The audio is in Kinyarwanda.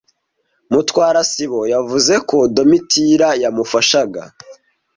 Mutwara sibo yavuze ko Domitira yamufashaga.